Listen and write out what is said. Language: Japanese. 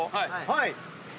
はい。